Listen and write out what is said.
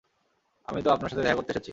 আমি তো আপনার সাথে দেখা করতে এসেছি।